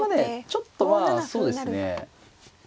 ちょっとまあそうですね